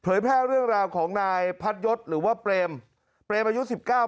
แพร่เรื่องราวของนายพัดยศหรือว่าเปรมเปรมอายุสิบเก้า